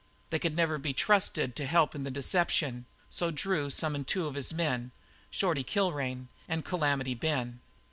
They could never be trusted to help in the deception, so Drew summoned two of his men, "Shorty" Kilrain and "Calamity" Ben.